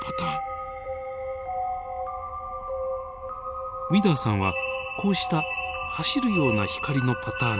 ウィダーさんはこうした走るような光のパターンに注目しています。